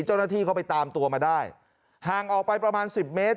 เจ้าหน้าที่เขาไปตามตัวมาได้ห่างออกไปประมาณสิบเมตร